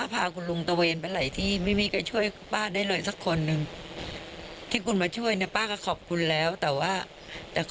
ทางนี้ก็เป็นเรื่องแผ่นบ้านสามีแหละ